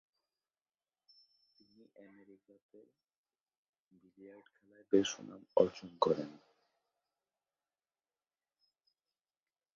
তিনি আমারিকাতে বিলিয়ার্ড খেলায় বেশ সুনাম অর্জন করেন।